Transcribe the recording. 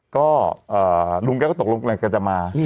ก็ลุงก็ตกลงกำลังจะมา